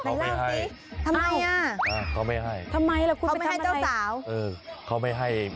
เขาไม่ให้เขาไม่ให้เขาไม่ให้เขาไม่ให้เขาไม่ให้เขาไม่ให้เขาไม่ให้เขาไม่ให้